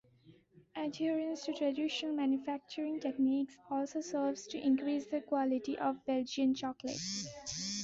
Adherence to traditional manufacturing techniques also serves to increase the quality of Belgian chocolate.